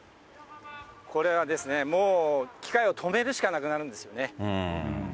これはですね、もう機械を止めるしかなくなるんですよね。